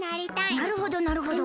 なるほどなるほど。